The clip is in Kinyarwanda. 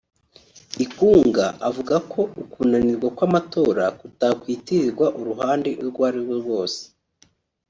Ikounga avuga ko ukunanirwa kw’amatora kutakwitirirwa uruhande urwo ari rwo rwose